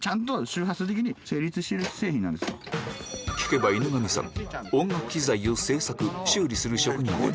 聞けば犬上さん